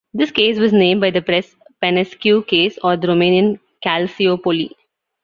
This case was named by the press "Penescu Case" or the "Romanian "Calciopoli".